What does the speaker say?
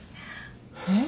えっ？